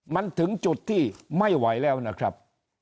มันถึงจุดที่ไม่ไหวแล้วนะครับ